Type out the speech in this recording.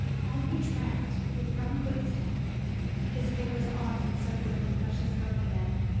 On he tramped, with firm footstep, his vigorous arms encircling the precious burden, and